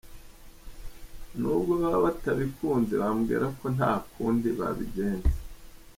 Nubwo baba batabikunze bambwira ko nta kundi babigenza.